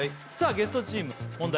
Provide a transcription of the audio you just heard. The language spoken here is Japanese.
ゲストチーム問題